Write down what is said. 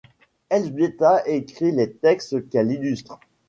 Elzbieta écrit les textes qu'elle illustre.